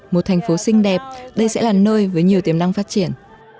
một thành phố xinh đẹp đây sẽ là nơi với nhiều tiềm năng phát triển